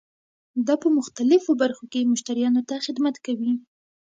دا په مختلفو برخو کې مشتریانو ته خدمت کوي.